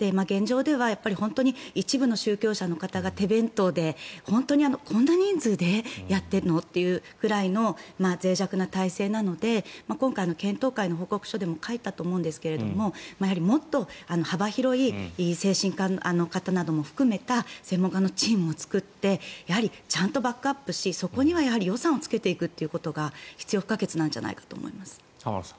現状では本当に一部の宗教者の方が手弁当で本当にこんな人数でやってるの？というくらいのぜい弱な体制なので今回の検討会の報告書でも書いたと思うんですけどもっと幅広い精神科の方なども含めた専門家のチームを作ってちゃんとバックアップしてそこには予算をつけていくことが必要不可欠なんじゃないかと思います。